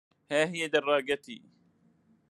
ها هي دراجتي.